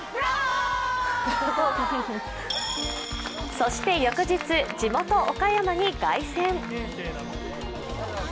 そして翌日、地元・岡山に凱旋。